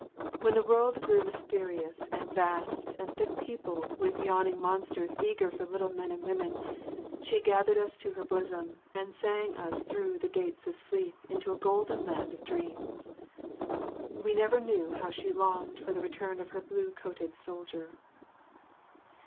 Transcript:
When the world grew mysterious and vast and thick peopled with yawning monsters eager for little men and women, she gathered us to her bosom and sang us through the gates of sleep into a golden land of dreams. We never knew how she longed for the return of her blue coated soldier.